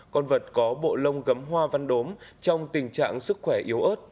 con vật có bộ lông gấm hoa văn đốm trong tình trạng sức khỏe yếu ớt